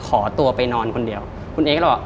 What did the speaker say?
ขอตัวไปนอนคนเดียวคุณเอ๊ก็บอก